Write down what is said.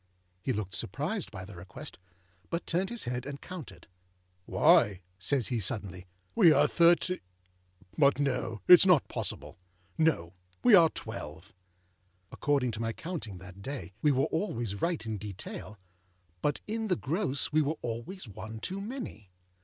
â He looked surprised by the request, but turned his head and counted. âWhy,â says he, suddenly, âwe are Thirtâ; but no, itâs not possible. No. We are twelve.â According to my counting that day, we were always right in detail, but in the gross we were always one too many.